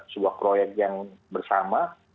sebuah proyek yang bersama